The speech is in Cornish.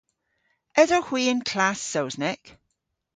Esowgh hwi y'n klass Sowsnek?